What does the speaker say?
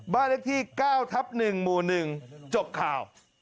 บ้านเลขที่๙ทับ๑หมู่๑จบข่าว